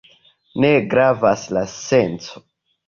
Ne gravas la senco.